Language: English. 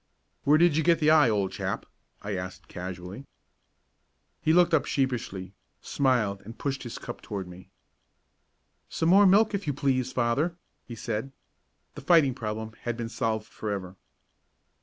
"Where did you get the eye, old chap?" I asked casually. He looked up sheepishly, smiled and pushed his cup toward me. "Some more milk, if you please, father," he said. The fighting problem had been solved forever.